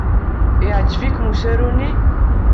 Yeɛjeb-ikem usaru-nni?